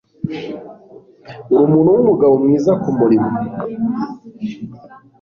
urumuntu wumugabo mwiza kumurimo